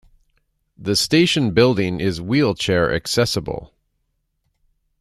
The station building is wheelchair accessible.